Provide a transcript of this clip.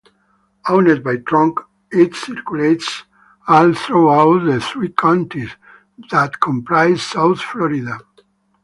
Owned by Tronc, it circulates all throughout the three counties that comprise South Florida.